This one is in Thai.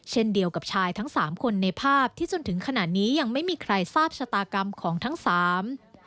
เช่นเดียวกับชายทั้งสามคนในภาพที่จนถึงขณะนี้ยังไม่มีใครทราบชะตากรรมของทั้งสาม